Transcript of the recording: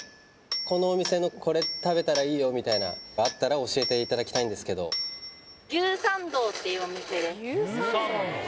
このお店のこれ食べたらいいよみたいなあったら教えていただきたいんですけどっていうお店です